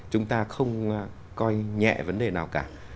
chúng ta không coi nhẹ vấn đề nào cả